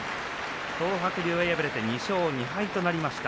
東白龍、敗れて２勝２敗となりました。